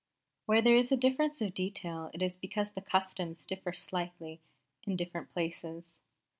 Where there is a difference of detail it is because the customs differ slightly in different places.